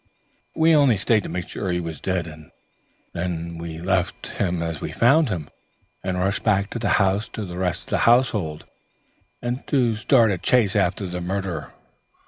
We only stayed to make sure he was dead, and then we left him as we had found him and rushed back to rouse the rest of the household, and to start a chase after the murderer.